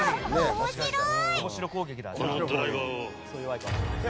面白い！